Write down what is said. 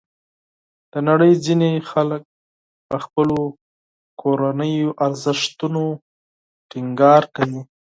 د نړۍ ځینې خلک په خپلو کورنیو ارزښتونو ټینګار کوي.